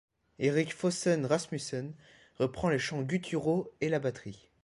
Erik Fossan Rasmussen reprend les chants gutturaux et la batterie.